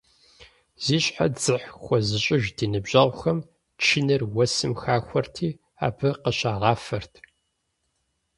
Зи щхьэ дзыхь хуэзыщӏыж ди ныбжьэгъухэм чыныр уэсым хахуэрти, абы къыщагъафэрт.